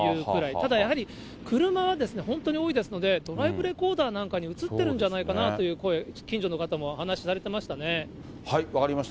ただやはり、車は本当に多いですので、ドライブレコーダーなんかに写ってるんじゃないかなという声、分かりました。